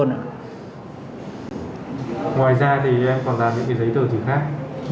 ngoài ra thì em còn làm những cái giấy tờ gì khác